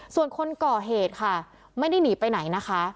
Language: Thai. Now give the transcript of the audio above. ส่วนคนก่อเหตุค่ะไม่ได้หนีไปไหนนะคะ